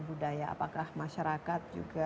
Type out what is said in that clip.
budaya apakah masyarakat juga